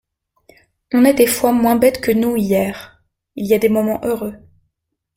On est des fois moins bête que nous, hier … Il y a des moments heureux.